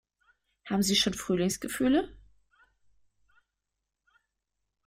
Haben Sie schon Frühlingsgefühle?